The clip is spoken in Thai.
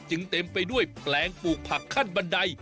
เต็มไปด้วยแปลงปลูกผักขั้นบันได